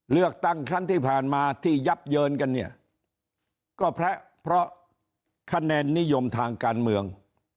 เลือกตั้งครั้งที่ผ่านมาที่ยับเยินกันเนี่ยก็เพราะคะแนนนิยมทางการเมือง